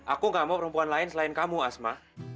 aku gak mau perempuan lain selain kamu asma